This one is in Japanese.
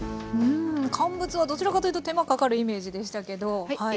うん乾物はどちらかというと手間かかるイメージでしたけど。